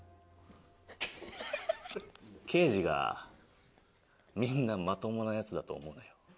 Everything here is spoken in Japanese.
刑事がみんなまともなヤツだと思うなよ。